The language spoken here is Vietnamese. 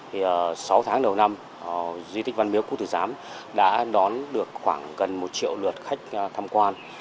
thì sáu tháng đầu năm di tích văn miếu quốc tử giám đã đón được khoảng gần một triệu lượt khách tham quan